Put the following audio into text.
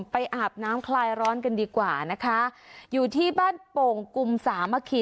อาบน้ำคลายร้อนกันดีกว่านะคะอยู่ที่บ้านโป่งกลุ่มสามัคคี